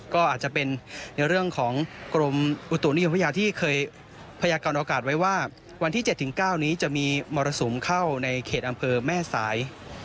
ก็อาจจะเป็นในเรื่องของกรมอุตุนิยมพัทยาที่เคยพยากรอากาศไว้ว่าวันที่๗๙นี้จะมีมรสุมเข้าในเขตอำเภอแม่สาย